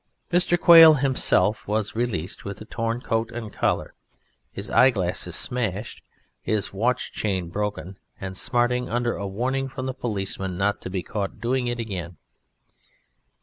Mr. Quail himself was released with a torn coat and collar, his eye glasses smashed, his watch chain broken, and smarting under a warning from the policeman not to be caught doing it again.